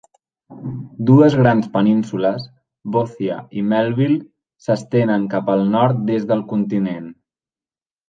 Dues grans penínsules, Boothia i Melville, s'estenen cap al nord des del continent.